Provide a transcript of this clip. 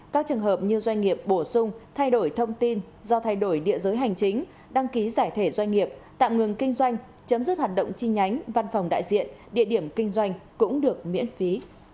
các trường hợp như doanh nghiệp bổ sung thay đổi thông tin do thay đổi địa giới hành chính đăng ký giải thể doanh nghiệp tạm ngừng kinh doanh chấm dứt hoạt động chi nhánh văn phòng đại diện địa điểm kinh doanh cũng được miễn phí